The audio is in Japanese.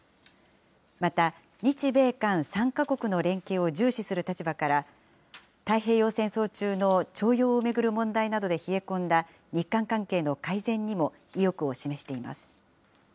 また、日米韓３か国の連携を重視する立場から、太平洋戦争中の徴用を巡る問題などで冷え込んだ日韓関係の改善にも意欲を示しています。